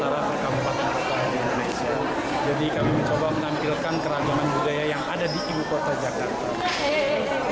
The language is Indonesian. pengantin menjelenggarakan pernikahan